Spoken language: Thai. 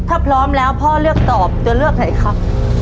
ถ้าพร้อมแล้วพ่อเลือกตอบตัวเลือกไหนครับ